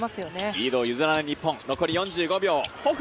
リードを譲らない日本、残り４５秒。